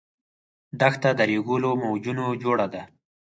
دښته د ریګو له موجونو جوړه ده.